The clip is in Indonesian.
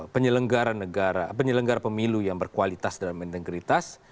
penyelenggara pemilu yang berkualitas dan berintegritas